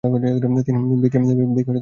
ভিক, একটু এদিকে আসবে?